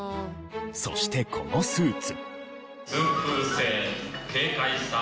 そしてこのスーツ。